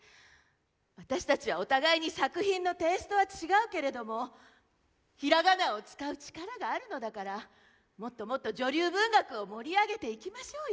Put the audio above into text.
私たちはお互いに作品のテイストは違うけれどもひらがなを使う力があるのだからもっともっと女流文学を盛り上げていきましょうよ。